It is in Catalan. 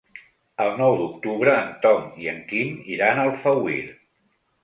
El nou d'octubre en Tom i en Quim iran a Alfauir.